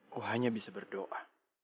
ku hanya bisa berdoa